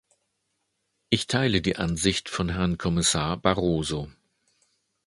Ich teile die Ansicht von Herrn Kommissar Barroso.